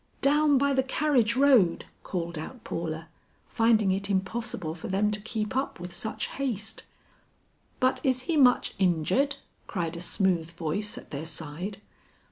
"Down by the carriage road," called out Paula, finding it impossible for them to keep up with such haste. "But is he much injured?" cried a smooth voice at their side.